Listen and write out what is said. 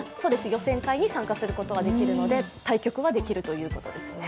予選会に参加することはできるので対局はできるということですね。